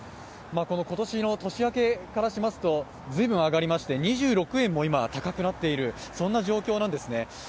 今年の年明けからしますと随分上がりまして２６円も高くなっている状況なんですね。